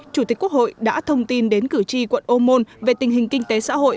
chủ tịch quốc hội đã thông tin đến cử tri quận ô môn về tình hình kinh tế xã hội